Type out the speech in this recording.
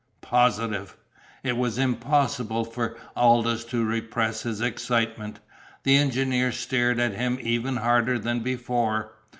"Positive!" It was impossible for Aldous to repress his excitement. The engineer stared at him even harder than before.